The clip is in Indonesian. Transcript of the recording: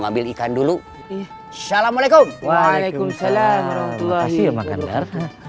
ngambil ikan dulu assalamualaikum waalaikumsalam terima kasih ya makandar